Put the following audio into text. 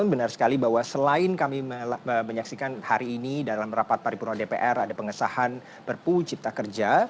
benar sekali bahwa selain kami menyaksikan hari ini dalam rapat paripurna dpr ada pengesahan perpu cipta kerja